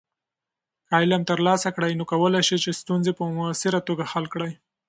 که علم ترلاسه کړې، نو کولی شې چې ستونزې په مؤثره توګه حل کړې.